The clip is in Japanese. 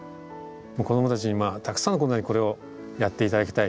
子供たちにたくさんの子供にこれをやって頂きたい。